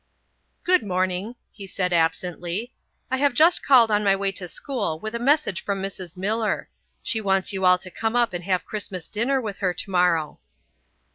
"Good morning," he said absently. "I have just called on my way to school with a message from Miss Millar. She wants you all to come up and have Christmas dinner with her tomorrow."